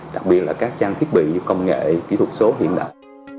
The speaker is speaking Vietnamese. đặc biệt là các trang thiết bị công nghiệp